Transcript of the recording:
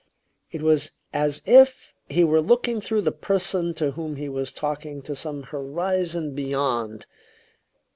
It was as if he were looking through the person to whom he was talking to some horizon beyond.